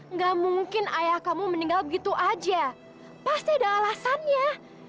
nggak mungkin ayah kamu meninggal begitu aja pasti ada alasannya